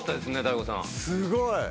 すごい。